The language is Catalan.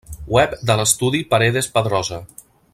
Web de l'estudi Paredes Pedrosa.